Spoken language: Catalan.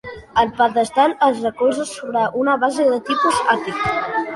El pedestal es recolza sobre una base de tipus àtic.